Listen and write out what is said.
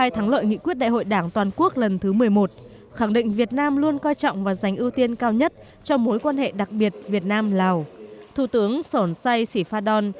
tại cuộc hội đàm giữa thủ tướng chính phủ lào sổn say sĩ phan đòn